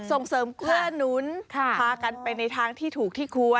ส่งเสริมเกื้อหนุนพากันไปในทางที่ถูกที่ควร